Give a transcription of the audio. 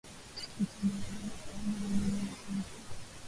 kupitia baraza la usalama la umoja wa mataifa